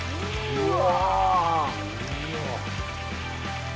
うわ。